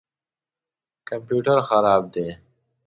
کمپیوټر خراب دی